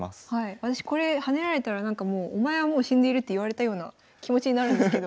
私これ跳ねられたらなんかもう「お前はもう死んでいる」って言われたような気持ちになるんですけど。